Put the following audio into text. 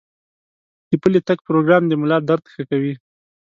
د پلي تګ پروګرام د ملا درد ښه کوي.